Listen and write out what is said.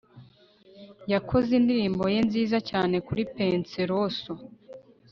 yakoze indirimbo ye nziza cyane kuri penseroso